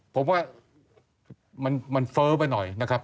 ผมว่ามันเฟ้อไปหน่อยนะครับ